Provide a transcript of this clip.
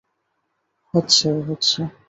হচ্ছে, হচ্ছে।